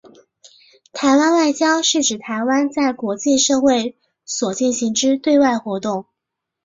台湾外交是指台湾在国际社会所进行之对外活动。